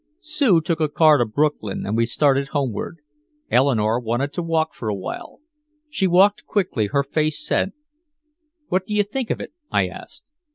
Sue took a car to Brooklyn and we started homeward. Eleanore wanted to walk for a while. She walked quickly, her face set. "What do you think of it?" I asked.